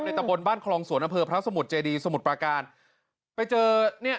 ตะบนบ้านคลองสวนอำเภอพระสมุทรเจดีสมุทรปราการไปเจอเนี่ย